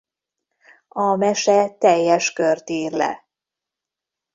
A mese teljes kört ír le.